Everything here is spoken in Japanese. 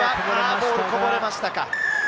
ボールがこぼれました。